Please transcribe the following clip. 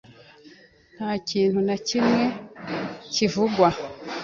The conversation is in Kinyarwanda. Nta kintu na kimwe kivugwa